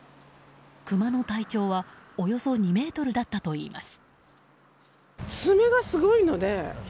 クマの体長はおよそ２ｍだったといいます。